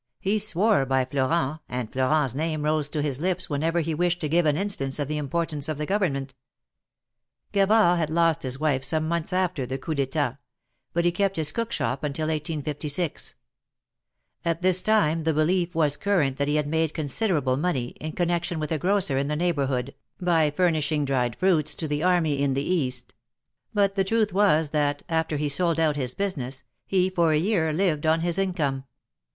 He swore by Florent, THE MAEKETS OF PAEIS. 87 and Florent's name rose to his lips whenever he wished to give an instance of the importance of the Government. Gavard had lost his wife some months after the Coup d'fltat; but he kept his cook shop until 1856. At this time the belief was current that he had made considerable money, in connection with a grocer in the neighborhood, by furnishing dried fruits to the army in the East ; but the truth was that, after he sold out his business, he, for a year, lived on his income.